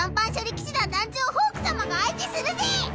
騎士団団長ホーク様が相手するぜ！